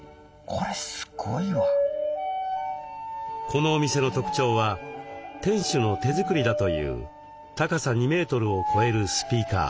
このお店の特徴は店主の手作りだという高さ２メートルを超えるスピーカー。